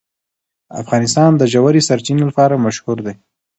افغانستان د ژورې سرچینې لپاره مشهور دی.